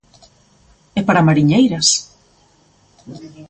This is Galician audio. E para mariñeiras!